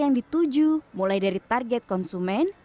yang dituju mulai dari target konsumen